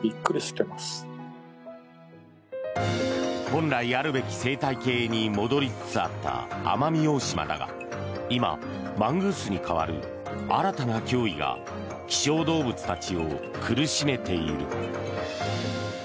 本来あるべき生態系に戻りつつあった奄美大島だが今、マングースに代わる新たな脅威が希少動物たちを苦しめている。